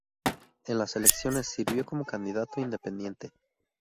En las elecciones sirvió como candidato independiente.